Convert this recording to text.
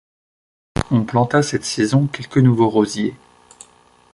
On planta cette saison quelque nouveaux rosiers.